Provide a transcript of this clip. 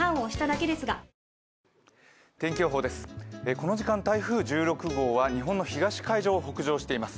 この時間、台風１６号は日本の東海上を北上しています。